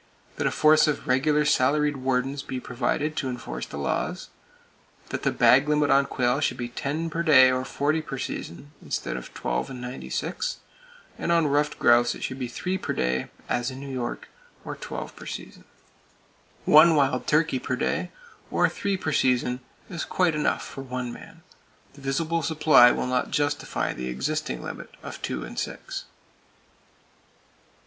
That a force of regular salaried wardens be provided to enforce the laws. That the bag limit on quail should be 10 per day or 40 per season, instead of 12 and 96; and on ruffed grouse it should be 3 per day (as in New York) or 12 per season. One wild turkey per day, or three per season is quite enough for one man. The visible supply will not justify the existing limit of two and six.